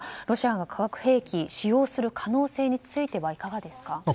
ロシアが化学兵器を使用する可能性についてはいかがですか？